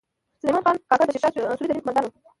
سلیمان خان کاکړ د شیر شاه سوري د هند کومندان و